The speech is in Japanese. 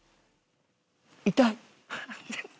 痛い。